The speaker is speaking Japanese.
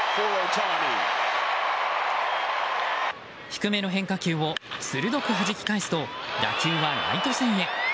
低めの変化球を鋭くはじき返すと打球はライト線へ。